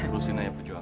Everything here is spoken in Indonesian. lu sini aja pujuannya